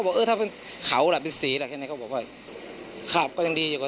จนใดเจ้าของร้านเบียร์ยิงใส่หลายนัดเลยค่ะ